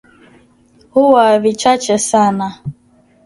huwa vichache sana